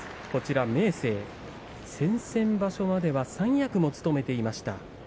明生、先々場所までは三役も務めていました。